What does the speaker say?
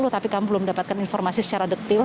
tapi kami belum mendapatkan informasi secara detil